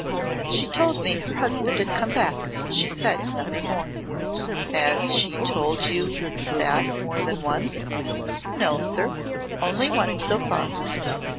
"She told me her husband had come back. She said nothing more." "Has she told you that more than once?" "No, sir. Only once so far."